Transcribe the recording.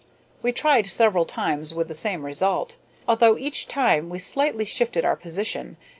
We tried several times with the same result, although each time we slightly shifted our position.